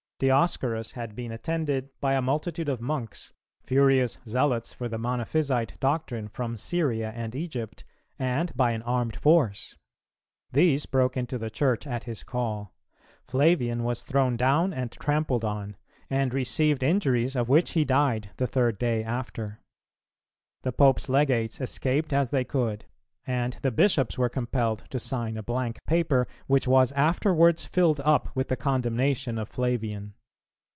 Dioscorus had been attended by a multitude of monks, furious zealots for the Monophysite doctrine from Syria and Egypt, and by an armed force. These broke into the Church at his call; Flavian was thrown down and trampled on, and received injuries of which he died the third day after. The Pope's legates escaped as they could; and the Bishops were compelled to sign a blank paper, which was afterwards filled up with the condemnation of Flavian.